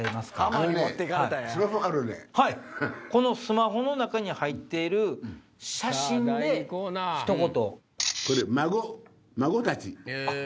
スマホの中に入っている写真でひと言。